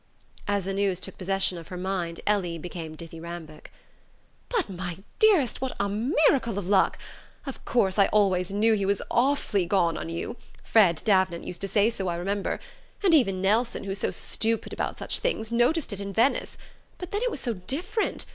As the news took possession of her mind Ellie became dithyrambic. "But, my dearest, what a miracle of luck! Of course I always knew he was awfully gone on you: Fred Davenant used to say so, I remember... and even Nelson, who's so stupid about such things, noticed it in Venice.... But then it was so different.